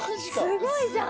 すごいじゃん。